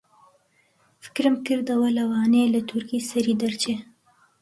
فکرم کردەوە لەوانەیە لە تورکی سەری دەرچێ